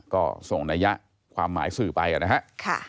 ก็ส่งในยะความหมายสื่อไปกันนะครับ